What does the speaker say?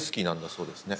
そうですね。